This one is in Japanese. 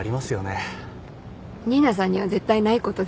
新名さんには絶対ないことです。